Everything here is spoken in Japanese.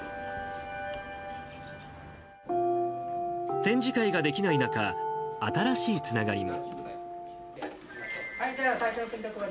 展示会ができない中、新しいつながりも。